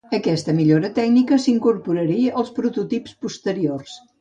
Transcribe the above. Aquesta millora tècnica s'incorporaria als prototips posteriors.